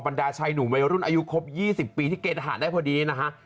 ดาชายหนุ่มวัยรุ่นอายุครบ๒๐ปีที่เกณฑหารได้พอดีนะฮะ